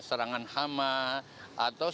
serangan hama atau